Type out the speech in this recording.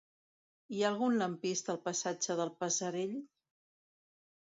Hi ha algun lampista al passatge del Passerell?